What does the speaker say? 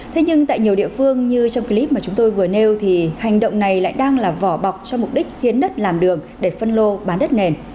thế nhưng tại nhiều địa phương như trong clip mà chúng tôi vừa nêu thì hành động này lại đang là vỏ bọc cho mục đích hiến đất làm đường để phân lô bán đất nền